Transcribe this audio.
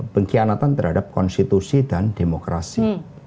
pengkhianatan terhadap konstitusi dan demokrasi